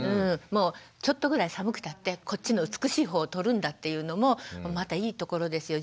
ちょっとぐらい寒くたってこっちの美しい方取るんだっていうのもまたいいところですよ。